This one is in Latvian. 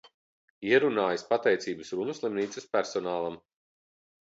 Ierunājis pateicības runu slimnīcas personālam.